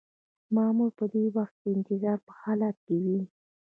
مامور په دې وخت کې د انتظار په حالت کې وي.